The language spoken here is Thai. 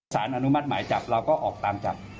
สารอนุมัติหมายจับเราก็ออกตามจับ